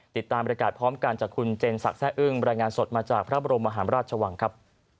ติดตามบริการพร้อมกันจากคุณเจนสักแร่อึ้งรายงานสดมาจากพระบรมมหาราชวังครับ